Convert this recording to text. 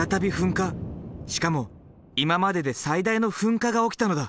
しかも今までで最大の噴火が起きたのだ。